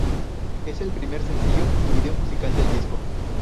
Es el primer sencillo y vídeo musical del disco.